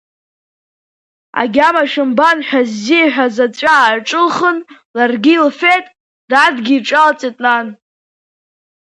Агьама шәымбан ҳәа ззиҳәаз аҵәа ааҿылхын, ларгьы илфеит, Дадгьы иҿалҵеит Нан.